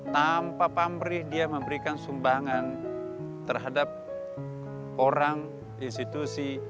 tanpa pamrih dia memberikan sumbangan terhadap orang institusi